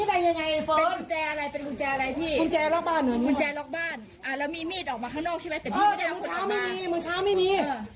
แต่มือชาวไม่มี